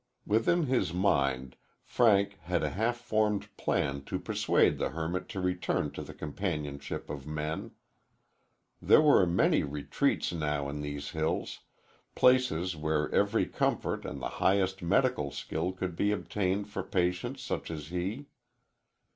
Within his mind Frank had a half formed plan to persuade the hermit to return to the companionship of men. There were many retreats now in these hills places where every comfort and the highest medical skill could be obtained for patients such as he.